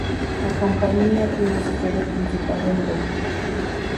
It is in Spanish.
La compañía tiene su sede principal en Roma.